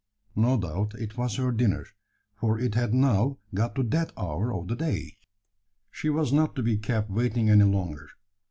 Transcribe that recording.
No doubt it was her dinner, for it had now got to that hour of the day. She was not to be kept waiting any longer.